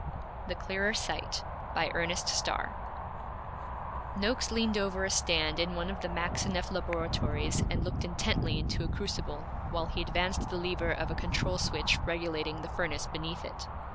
THE CLEARER SIGHT BY ERNEST STARR Noakes leaned over a stand in one of the Maxineff laboratories and looked intently into a crucible, while he advanced the lever of a control switch regulating the furnace beneath it.